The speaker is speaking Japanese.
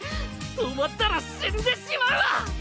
止まったら死んでしまうわ！